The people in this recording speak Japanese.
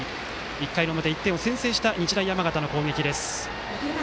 １回の表、１点を先制した日大山形の攻撃です。